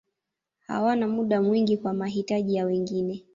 Hawana muda mwingi kwa mahitaji ya wengine.